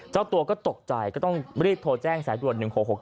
เจ้าตัวก็ตกใจก็ต้องรีบโทรแจ้งสายด่วน๑๖๖๗